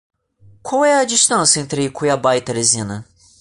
Qual é a distância entre Cuiabá e Teresina?